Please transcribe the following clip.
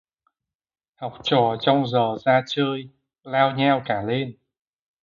Học trò trong giờ ra chơi lao nhao cả lên